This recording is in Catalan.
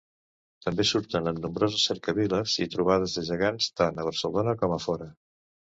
També surten en nombroses cercaviles i trobades de gegants, tant a Barcelona com a fora.